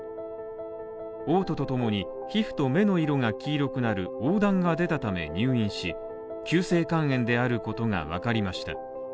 おう吐とともに、皮膚と目の色が黄色くなる黄疸が出たため入院し急性肝炎であることが分かりました。